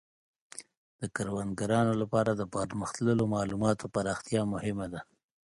د کروندګرانو لپاره د پرمختللو مالوماتو پراختیا مهمه ده.